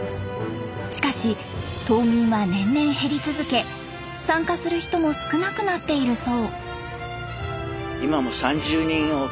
しかし島民は年々減り続け参加する人も少なくなっているそう。